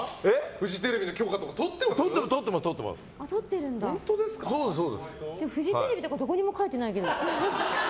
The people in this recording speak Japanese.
フジテレビとかどこにも書いてないけど。